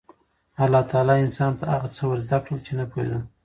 الله تعالی انسان ته هغه څه ور زده کړل چې نه پوهېده.